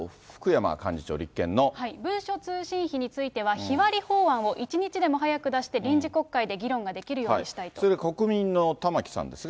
文書通信費については、日割り法案を一日でも早く出して、臨時国会で議論ができるようにしたそれで国民の玉木さんですが。